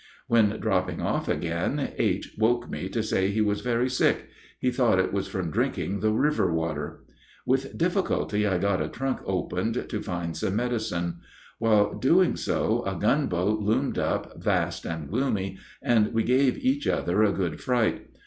When dropping off again, H. woke me to say he was very sick; he thought it was from drinking the river water. With difficulty I got a trunk opened to find some medicine. While doing so a gunboat loomed up vast and gloomy, and we gave each other a good fright.